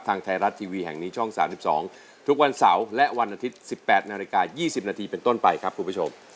ทางไทยรัฐทีวีแห่งนี้ช่อง๓๒ทุกวันเสาร์และวันอาทิตย์๑๘นาฬิกา๒๐นาทีเป็นต้นไปครับคุณผู้ชม